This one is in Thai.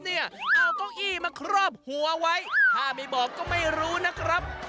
เอาเก้าอี้มาครอบหัวไว้ถ้าไม่บอกก็ไม่รู้นะครับ